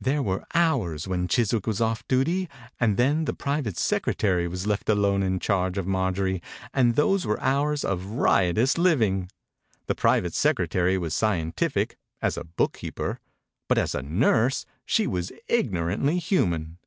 There were hours when Chis wick was ofF duty, and then the private secretary was left alone in charge of Marjorie, and those were hours of riotous living. The private secretary was scien tific — as a bookkeeper — but as a nurse she was ignorantly human.